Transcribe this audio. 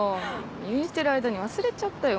入院してる間に忘れちゃったよ